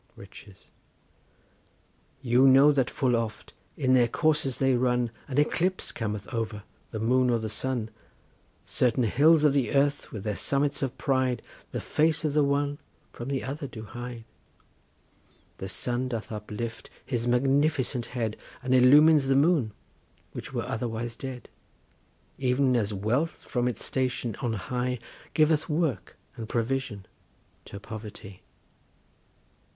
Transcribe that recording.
RICHES. You know that full oft, in their course as they run, An eclipse cometh over the moon or the sun; Certain hills of the earth with their summits of pride The face of the one from the other do hide. The sun doth uplift his magnificent head, And illumines the moon, which were otherwise dead, Even as Wealth from its station on high, Giveth work and provision to Poverty.